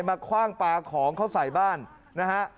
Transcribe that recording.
คว่างปลาของเขาใส่บ้านนะฮะ